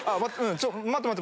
ちょっ待って待って。